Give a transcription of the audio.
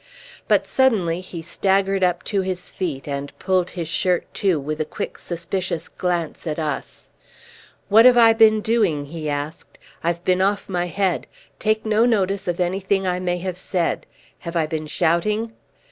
But suddenly he staggered up to his feet, and pulled his shirt to, with a quick suspicious glance at us. "What have I been doing?" he asked. "I've been off my head. Take no notice of anything I may have said. Have I been shouting?"